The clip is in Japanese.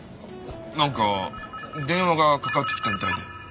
なんか電話がかかってきたみたいで。